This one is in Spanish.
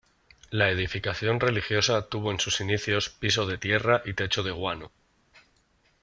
La edificación religiosa tuvo en sus inicios piso de tierra y techo de guano.